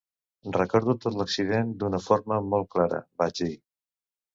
"Recordo tot l"accident d"una forma molt clara", vaig dir